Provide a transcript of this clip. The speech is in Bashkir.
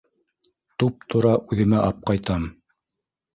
Туп- тура үҙемә апҡайтам.